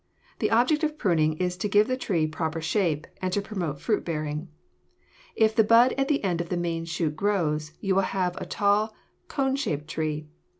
The object of pruning is to give the tree proper shape and to promote fruit bearing. If the bud at the end of the main shoot grows, you will have a tall, cone shaped tree.